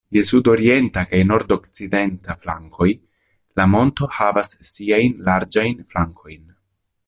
Je sudorienta kaj nordokcidenta flankoj la monto havas siajn larĝajn flankojn.